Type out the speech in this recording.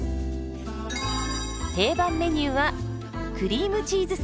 定番メニューはクリームチーズサーモン。